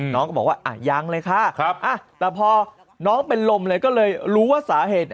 น้องก็บอกว่ายังเลยค่ะแต่พอน้องเป็นลมเลยก็เลยรู้ว่าสาเหตุ